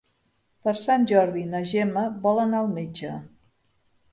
Per Sant Jordi na Gemma vol anar al metge.